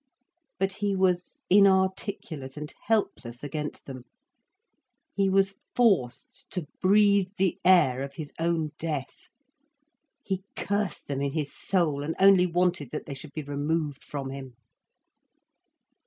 But he was inarticulate and helpless against them. He was forced to breathe the air of his own death. He cursed them in his soul, and only wanted, that they should be removed from him.